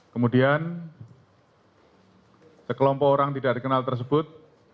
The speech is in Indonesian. kemudian sekelompok orang tidak dikenal tersebut